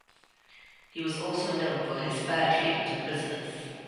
He was also known for his fair treatment of prisoners.